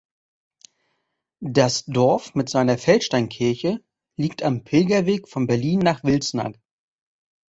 Das Dorf mit seiner Feldsteinkirche liegt am Pilgerweg von Berlin nach Wilsnack.